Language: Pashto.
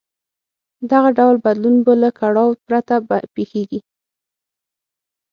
دغه ډول بدلون به له کړاو پرته پېښېږي.